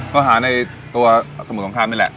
ก็หาในตัวสมุทรสงครามนี่แหละ